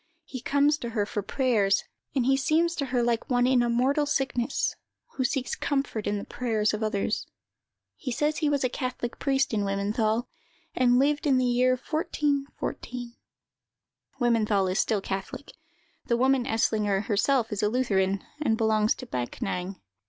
He comes to her for prayers, and he seems to her like one in a mortal sickness, who seeks comfort in the prayers of others. He says he was a catholic priest in Wimmenthal, and lived in the year 1414." (Wimmenthal is still catholic; the woman Eslinger herself is a Lutheran, and belongs to Backnang.)